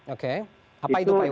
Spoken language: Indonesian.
oke apa itu pak iwan